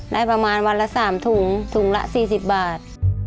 ได้ประมาณวันละ๓ถุงถุงละ๔๐บาท